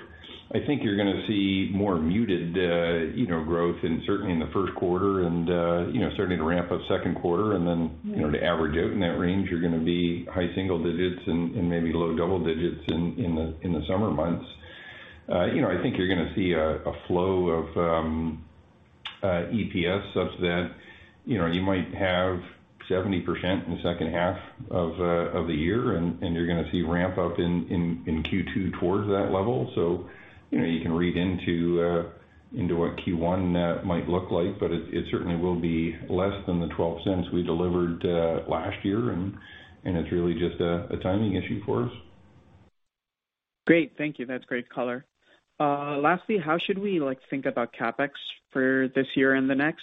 I think you're gonna see more muted, you know, growth and certainly in the first quarter, and, you know, starting to ramp up second quarter and then, you know, to average out in that range, you're gonna be high single-digits and maybe low double-digits in the summer months. You know, I think you're gonna see a flow of EPS such that, you know, you might have 70% in the second half of the year, and you're gonna see ramp up in Q2 towards that level. You know, you can read into what Q1 might look like, but it certainly will be less than 0.12 we delivered last year, and it's really just a timing issue for us. Great. Thank you. That's great color. Lastly, how should we, like, think about CapEx for this year and the next?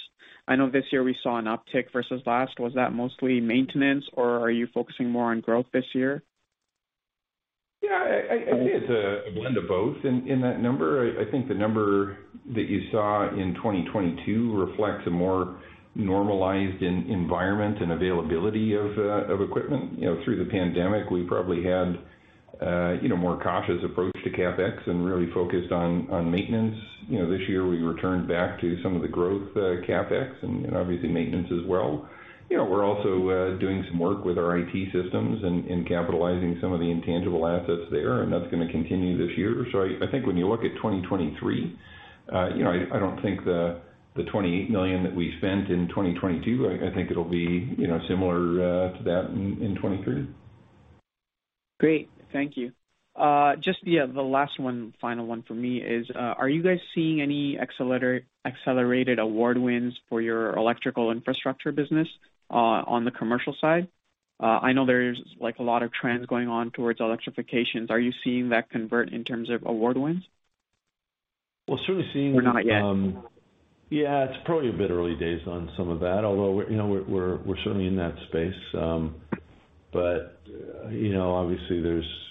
I know this year we saw an uptick versus last. Was that mostly maintenance or are you focusing more on growth this year? Yeah. I'd say it's a blend of both in that number. I think the number that you saw in 2022 reflects a more normalized environment and availability of equipment. You know, through the pandemic, we probably had, you know, more cautious approach to CapEx and really focused on maintenance. You know, this year we returned back to some of the growth CapEx and obviously maintenance as well. You know, we're also doing some work with our IT systems and capitalizing some of the intangible assets there, and that's gonna continue this year. I think when you look at 2023, you know, I don't think the 28 million that we spent in 2022, I think it'll be, you know, similar to that in 2023. Great. Thank you. Just, the last one, final one for me is, are you guys seeing any accelerated award wins for your electrical infrastructure business on the commercial side? I know there's like, a lot of trends going on towards electrifications. Are you seeing that convert in terms of award wins? Well, certainly. Not yet? Yeah, it's probably a bit early days on some of that, although we're, you know, we're certainly in that space. But, you know, obviously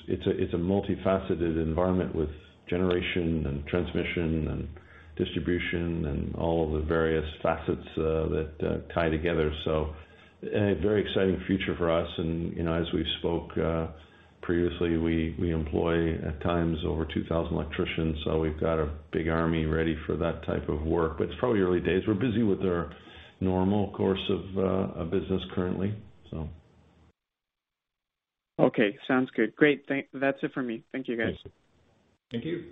it's a multifaceted environment with generation and transmission and distribution and all of the various facets that tie together. A very exciting future for us. You know, as we spoke previously, we employ at times over 2,000 electricians, so we've got a big army ready for that type of work. It's probably early days. We're busy with our normal course of business currently, so. Okay. Sounds good. Great. That's it for me. Thank you, guys. Thanks. Thank you.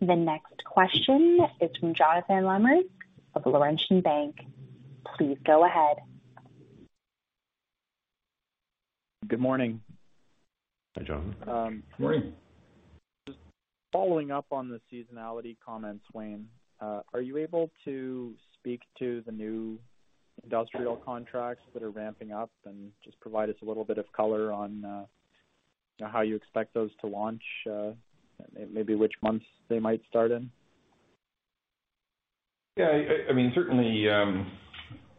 The next question is from Jonathan Lamers of Laurentian Bank. Please go ahead. Good morning. Hi, Jonathan. Um. Morning. Just following up on the seasonality comments, Wayne, are you able to speak to the new industrial contracts that are ramping up and just provide us a little bit of color on, how you expect those to launch, maybe which months they might start in? Yeah, I mean, certainly,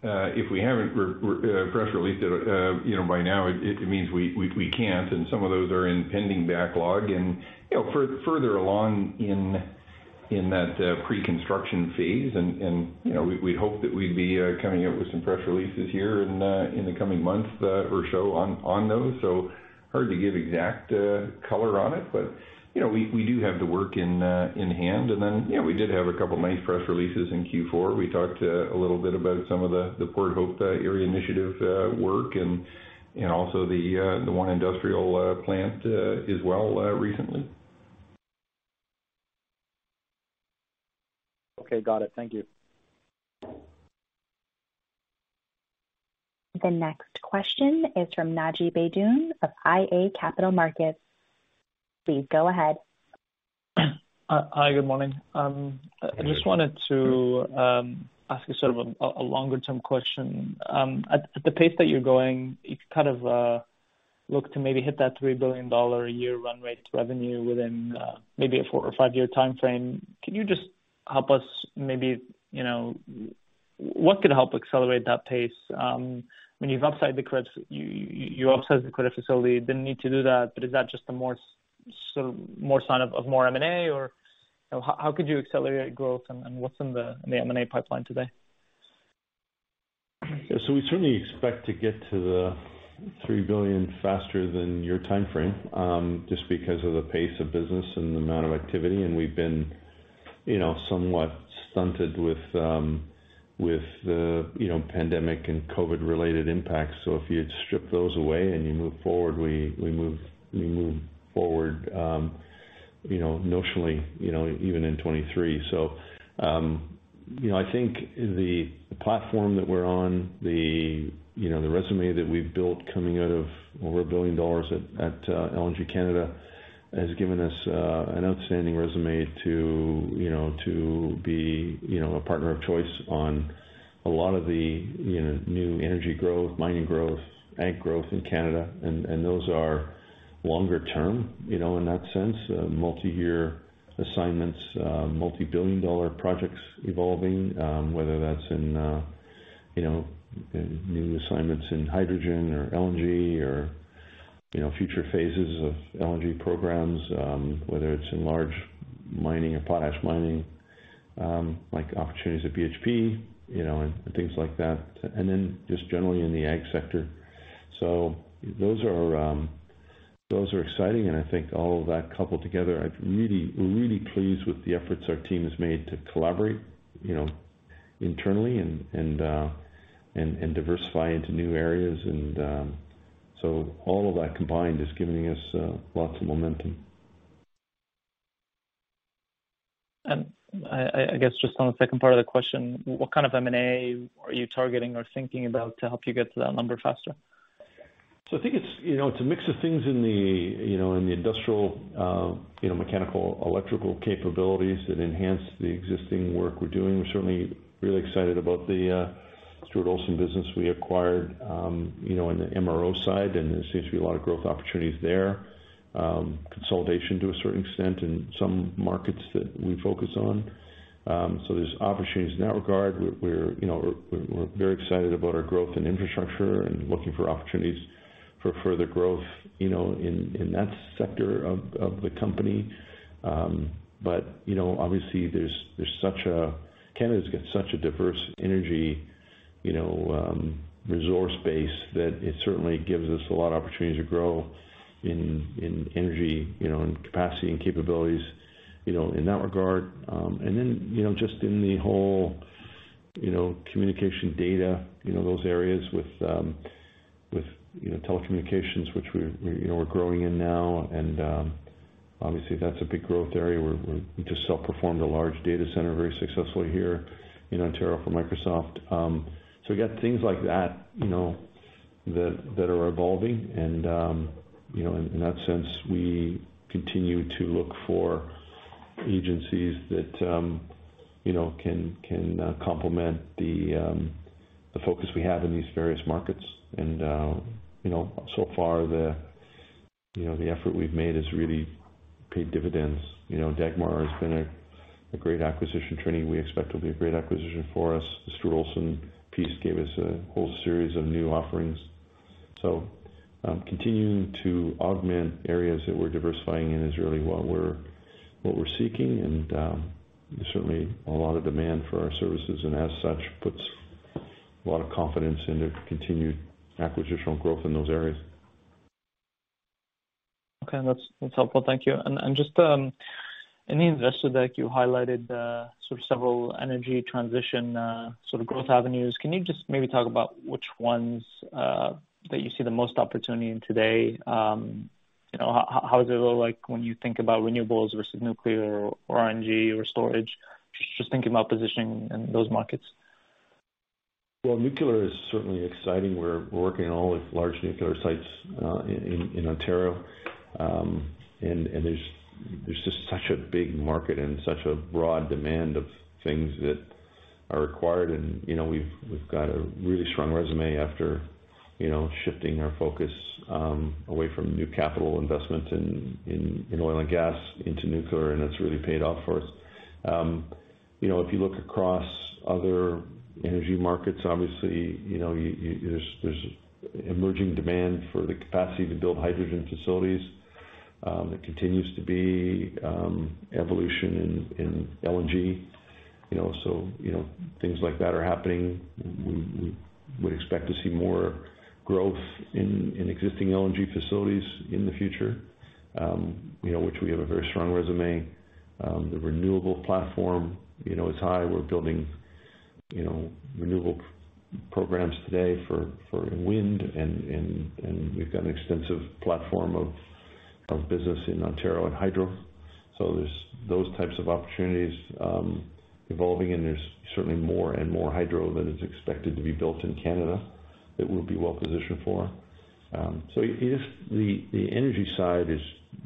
if we haven't press released it, you know, by now it means we can't. Some of those are in pending backlog and, you know, further along in that pre-construction phase. You know, we hope that we'd be coming out with some press releases here in the coming months or so on those. Hard to give exact color on it. You know, we do have the work in hand. Yeah, we did have a couple nice press releases in Q4. We talked a little bit about some of the Port Hope Area Initiative work and, you know, also the one industrial plant as well recently. Okay. Got it. Thank you. The next question is from Naji Baydoun of iA Capital Markets. Please go ahead. Hi, good morning. I just wanted to ask you sort of a longer term question. At the pace that you're going, you kind of look to maybe hit that 3 billion dollar a year run rate revenue within maybe a four year or five year timeframe. Can you just help us maybe, you know, what could help accelerate that pace? I mean, you've upside the credits. You upsized the credit facility, didn't need to do that, but is that just a more, sort of, more sign of more M&A? Or how could you accelerate growth and what's in the M&A pipeline today? Yeah. We certainly expect to get to 3 billion faster than your timeframe, just because of the pace of business and the amount of activity. We've been, you know, somewhat stunted with the, you know, pandemic and COVID related impacts. If you'd strip those away and you move forward, we move forward, you know, notionally, you know, even in 2023. I think the platform that we're on, the, you know, the resume that we've built coming out of over 1 billion dollars at LNG Canada has given us an outstanding resume to, you know, to be, you know, a partner of choice on a lot of the, you know, new energy growth, mining growth, bank growth in Canada, and those are longer term, you know, in that sense. Multi-year assignments, multi-billion dollar projects evolving, whether that's in, you know, new assignments in hydrogen or LNG or, you know, future phases of LNG programs, whether it's in large mining or potash mining, like opportunities at BHP, you know, and things like that. Just generally in the ag sector. Those are exciting and I think all of that coupled together, I'm really, really pleased with the efforts our team has made to collaborate, you know, internally and, and diversify into new areas. All of that combined is giving us lots of momentum. I guess just on the second part of the question, what kind of M&A are you targeting or thinking about to help you get to that number faster? I think it's, you know, it's a mix of things in the, you know, in the industrial, you know, mechanical, electrical capabilities that enhance the existing work we're doing. We're certainly really excited about the Stuart Olson business we acquired, you know, in the MRO side, and there seems to be a lot of growth opportunities there. Consolidation to a certain extent in some markets that we focus on. There's opportunities in that regard. We're, you know, we're very excited about our growth in infrastructure and looking for opportunities for further growth, you know, in that sector of the company. You know, obviously there's such a... Canada's got such a diverse energy, you know, resource base that it certainly gives us a lot of opportunity to grow in energy, you know, and capacity and capabilities, you know, in that regard. Then, you know, just in the whole, you know, communication data, you know, those areas with, you know, telecommunications, which we're, you know, we're growing in now. Obviously that's a big growth area. We just self-performed a large data center very successfully here in Ontario for Microsoft. We got things like that, you know, that are evolving. In that sense, we continue to look for agencies that, you know, can complement the focus we have in these various markets. You know, so far the effort we've made has really paid dividends. You know, Dagmar has been a great acquisition. Trini we expect will be a great acquisition for us. The Stuart Olson piece gave us a whole series of new offerings. Continuing to augment areas that we're diversifying in is really what we're seeking and certainly a lot of demand for our services. Puts a lot of confidence into continued acquisitional growth in those areas. Okay. That's helpful. Thank you. Just in the investor deck, you highlighted sort of several energy transition growth avenues. Can you just maybe talk about which ones that you see the most opportunity in today? You know, how does it look like when you think about renewables versus nuclear or RNG or storage? Just thinking about positioning in those markets. Nuclear is certainly exciting. We're working on all the large nuclear sites in Ontario. There's just such a big market and such a broad demand of things that are required. You know, we've got a really strong resume after, you know, shifting our focus away from new capital investment in oil and gas into nuclear, and that's really paid off for us. You know, if you look across other energy markets, obviously, you know, there's emerging demand for the capacity to build hydrogen facilities. There continues to be evolution in LNG. You know, things like that are happening. We would expect to see more growth in existing LNG facilities in the future, you know, which we have a very strong resume. The renewable platform, you know, is high. We're building, you know, renewable programs today for wind and we've got an extensive platform of business in Ontario and hydro. There's those types of opportunities evolving, and there's certainly more and more hydro that is expected to be built in Canada that we'll be well-positioned for. If the energy side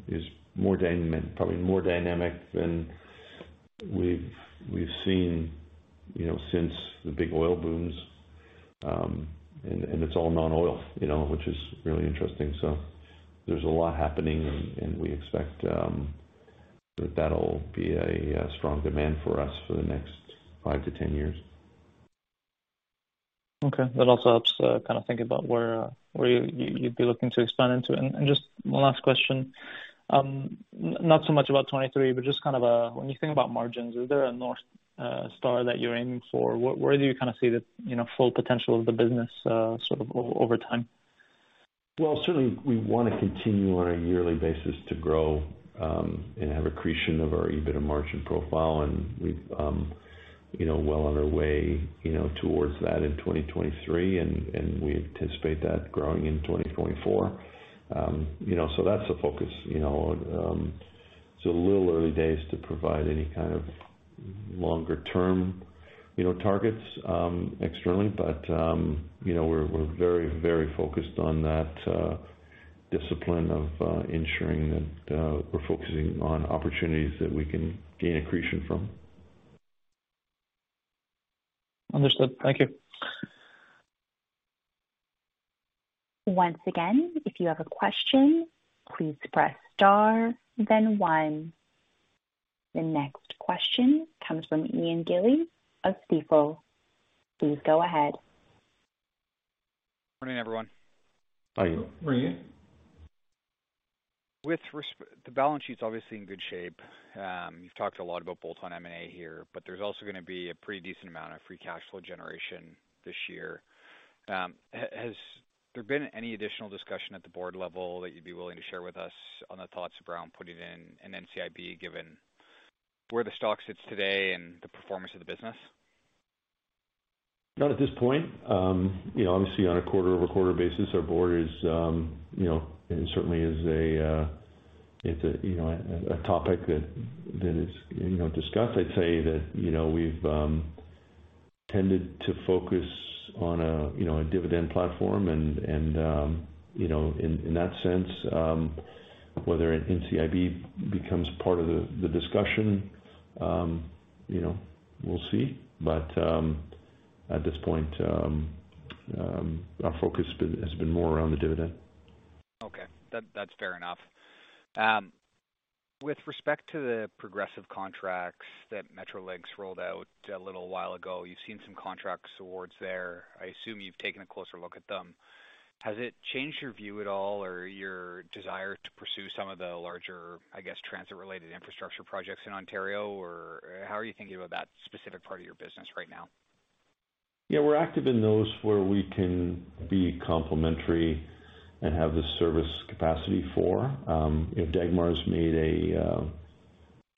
is more dynamic, probably more dynamic than we've seen, you know, since the big oil booms, and it's all non-oil, you know, which is really interesting. There's a lot happening and we expect that that'll be a strong demand for us for the next 5-10 years. Okay. That also helps, kinda think about where you'd be looking to expand into. Just one last question. Not so much about 23, but just kind of a when you think about margins, is there a north star that you're aiming for? Where do you kinda see the, you know, full potential of the business, sort of over time? Well, certainly we wanna continue on a yearly basis to grow, and have accretion of our EBITDA margin profile. We've, you know, well on our way, you know, towards that in 2023 and we anticipate that growing in 2024. You know, that's the focus. You know, a little early days to provide any kind of longer term, you know, targets, externally. We're, we're very, very focused on that, discipline of, ensuring that, we're focusing on opportunities that we can gain accretion from. Understood. Thank you. Once again, if you have a question, please press star then one. The next question comes from Ian Gillies of Stifel. Please go ahead. Morning, everyone. Hi, Ian. Morning, Ian. The balance sheet's obviously in good shape. You've talked a lot about bolt-on M&A here, but there's also gonna be a pretty decent amount of free cash flow generation this year. Has there been any additional discussion at the board level that you'd be willing to share with us on the thoughts around putting in an NCIB, given where the stock sits today and the performance of the business? Not at this point. You know, obviously on a quarter-over-quarter basis, our board is, you know, it certainly is a, it's a, you know, a topic that is, you know, discussed. I'd say that, you know, we've tended to focus on a, you know, a dividend platform and, you know, in that sense, whether an NCIB becomes part of the discussion, you know, we'll see. At this point, our focus has been more around the dividend. Okay. That's fair enough. With respect to the progressive contracts that Metrolinx rolled out a little while ago, you've seen some contracts awards there. I assume you've taken a closer look at them. Has it changed your view at all or your desire to pursue some of the larger, I guess, transit-related infrastructure projects in Ontario, or how are you thinking about that specific part of your business right now? Yeah, we're active in those where we can be complementary and have the service capacity for. You know, Dagmar's made a,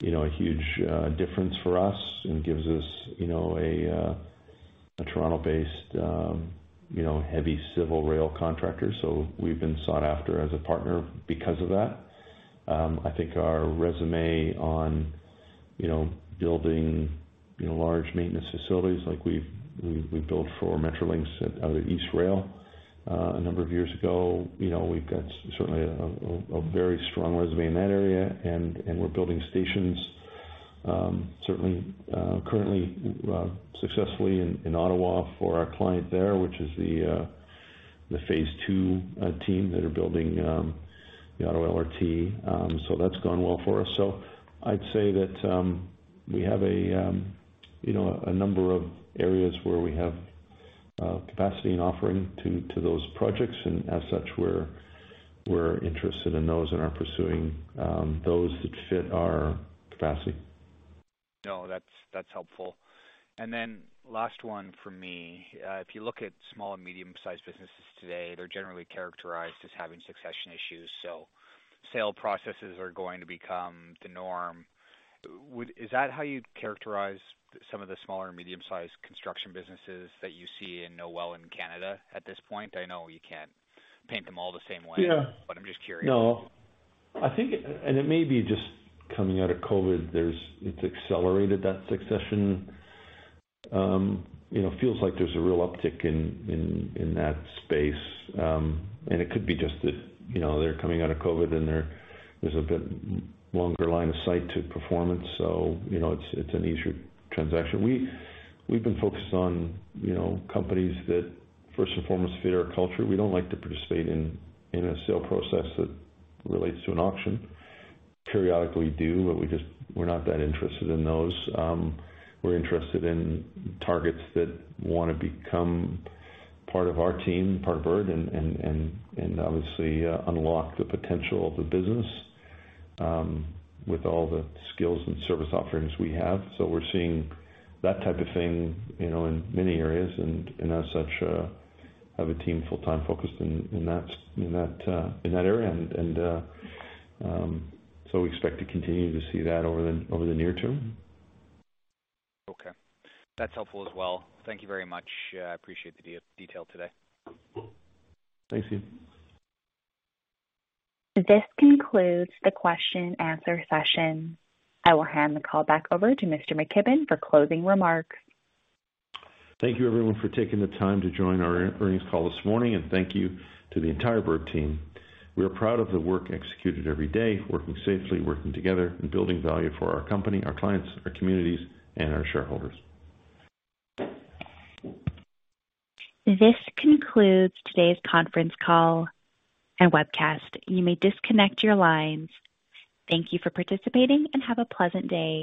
you know, a huge difference for us and gives us, you know, a Toronto-based, you know, heavy civil rail contractor. We've been sought after as a partner because of that. I think our resume on, you know, building, you know, large maintenance facilities like we've built for Metrolinx at, out at East Rail, a number of years ago. You know, we've got certainly a very strong resume in that area and we're building stations, certainly, currently, successfully in Ottawa for our client there, which is the phase two team that are building the Ottawa LRT. That's gone well for us. I'd say that, we have a, you know, a number of areas where we have capacity and offering to those projects, and as such, we're interested in those and are pursuing those that fit our capacity. No, that's helpful. Last one for me. If you look at small and medium-sized businesses today, they're generally characterized as having succession issues. Sale processes are going to become the norm. Is that how you'd characterize some of the smaller and medium-sized construction businesses that you see and know well in Canada at this point? I know you can't paint them all the same way- Yeah. I'm just curious. No. I think, it may be just coming out of COVID, it's accelerated that succession. You know, feels like there's a real uptick in that space. It could be just that, you know, they're coming out of COVID and there's a bit longer line of sight to performance. You know, it's an easier transaction. We've been focused on, you know, companies that first and foremost fit our culture. We don't like to participate in a sale process that relates to an auction. Periodically do, but we just, we're not that interested in those. We're interested in targets that wanna become part of our team, part of Bird and obviously, unlock the potential of the business, with all the skills and service offerings we have. We're seeing that type of thing, you know, in many areas and, as such, have a team full-time focused in that area. We expect to continue to see that over the near term. Okay. That's helpful as well. Thank you very much. I appreciate the detail today. Thanks, Ian. This concludes the question and answer session. I will hand the call back over to Mr. McKibbon for closing remarks. Thank you everyone for taking the time to join our earnings call this morning and thank you to the entire Bird team. We are proud of the work executed every day, working safely, working together and building value for our company, our clients, our communities and our shareholders. This concludes today's conference call and webcast. You may disconnect your lines. Thank you for participating and have a pleasant day.